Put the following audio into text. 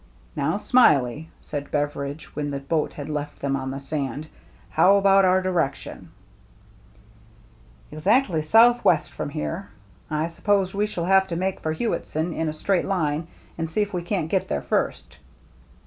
" Now, Smiley," said Beveridge, when the boat had left them on the sand, " how about our direction ?"" Exactly southwest from here. I suppose we shall have to make for Hewittson in a straight line, and see if we can't get there first.'